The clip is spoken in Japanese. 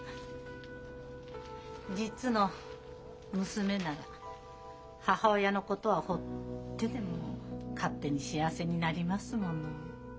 実の娘なら母親のことはほうってでも勝手に幸せになりますもの。